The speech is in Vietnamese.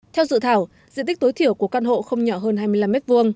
theo dự thảo diện tích tối thiểu của căn hộ không nhỏ hơn hai mươi năm m hai